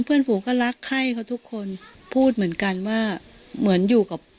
เพื่อนฝูก็รักไข้เขาทุกคนพูดเหมือนกันว่าเหมือนอยู่กับ